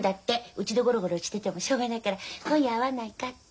うちでゴロゴロしててもしょうがないから今夜会わないかって。